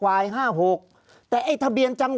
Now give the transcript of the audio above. ภารกิจสรรค์ภารกิจสรรค์